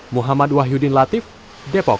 muhammad wahyudin latif depok